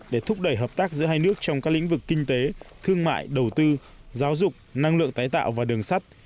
để thúc đẩy hợp tác giữa hai nước trong các lĩnh vực kinh tế thương mại đầu tư giáo dục năng lượng tái tạo và đường sắt